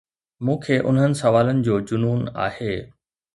مون کي انهن سوالن جو جنون آهي.